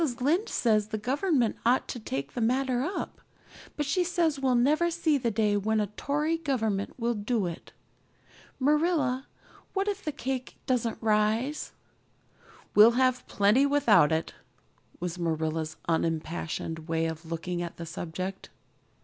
Lynde says the Government ought to take the matter up, but she says we'll never see the day when a Tory Government will do it. Marilla, what if that cake doesn't rise?" "We'll have plenty without it" was Marilla's unimpassioned way of looking at the subject.